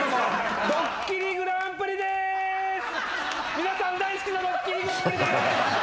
皆さん大好きな『ドッキリＧＰ』です。